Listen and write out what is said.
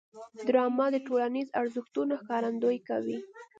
ډرامه د ټولنیزو ارزښتونو ښکارندويي کوي